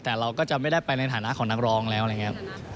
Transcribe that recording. แต่เราก็จะไม่ได้ไปในฐานะของนักร้องแล้วอะไรอย่างนี้